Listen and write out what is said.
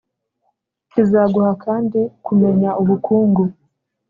Kizaguha kandi kumenya ubukungu